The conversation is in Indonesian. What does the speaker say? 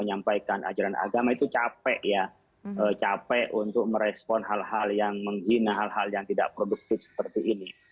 apa yang masuk dalam hal ini